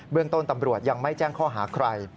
เรื่องต้นตำรวจยังไม่แจ้งข้อหาใคร